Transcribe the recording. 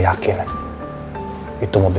jadi pak kita langsung datang ke shabat